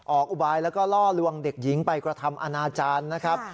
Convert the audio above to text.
อุบายแล้วก็ล่อลวงเด็กหญิงไปกระทำอนาจารย์นะครับ